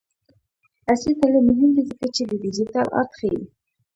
عصري تعلیم مهم دی ځکه چې د ډیجیټل آرټ ښيي.